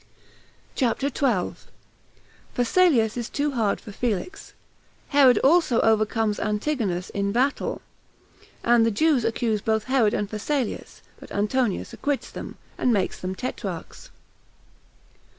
CHAPTER 12. Phasaelus Is Too Hard For Felix; Herod Also Overcomes Antigonus In Rattle; And The Jews Accuse Both Herod And Phasaelus But Antonius Acquits Them, And Makes Them Tetrarchs.